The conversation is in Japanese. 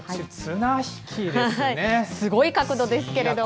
すごい角度ですけれども。